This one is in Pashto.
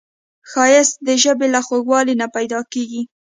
ښایست د ژبې له خوږوالي نه پیداکیږي